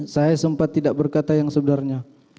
saya sempat tidak berkata yang sebenarnya